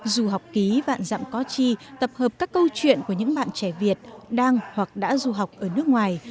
du học ký vạn dặm có chi tập hợp các câu chuyện của những bạn trẻ việt đang hoặc đã du học ở nước ngoài